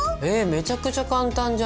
めちゃくちゃ簡単じゃん。